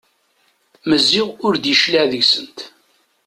Maziɣ ur d-yecliɛ deg-sent.